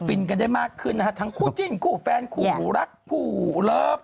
กันได้มากขึ้นนะฮะทั้งคู่จิ้นคู่แฟนคู่รักคู่เลิฟ